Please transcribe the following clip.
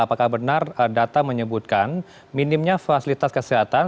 apakah benar data menyebutkan minimnya fasilitas kesehatan